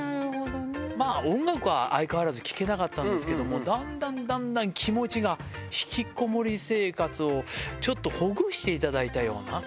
まあ、音楽は相変わらず聴けなかったんですけども、だんだんだんだん、気持ちが、引きこもり生活をちょっとほぐしていただいたような。